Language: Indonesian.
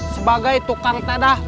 sebagai tukang tedah